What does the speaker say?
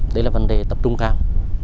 đây là vấn đề tập trung cao